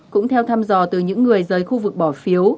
cũng theo thăm dò từ những người rời khu vực bỏ phiếu